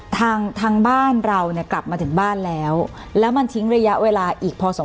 ทางทางบ้านเราเนี่ยกลับมาถึงบ้านแล้วแล้วมันทิ้งระยะเวลาอีกพอสม